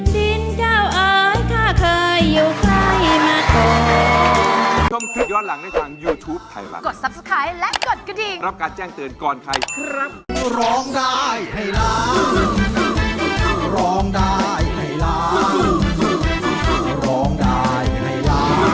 ดินเจ้าเอ๋ยถ้าเคยอยู่ใกล้มาก่อน